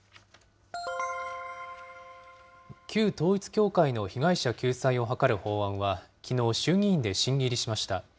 旧統一教会の被害者救済を図る法案は、きのう、衆議院で審議入りしました。